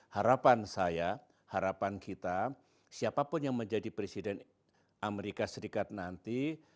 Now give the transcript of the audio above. harapan saya harapan kita siapapun yang menjadi presiden amerika serikat nanti